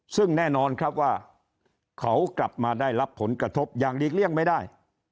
ซึ่งแน่นอนครับว่าเขากลับมาได้รับผลกระทบอย่างหลีกเลี่ยงไม่ได้